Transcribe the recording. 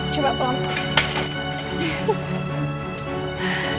coba aku lampu